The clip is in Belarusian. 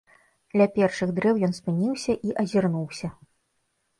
Ля першых дрэў ён спыніўся і азірнуўся.